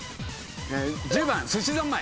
１０番すしざんまい！